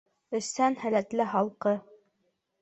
Эшсән, һәләтле халҡы!